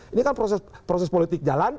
ini kan proses politik jalan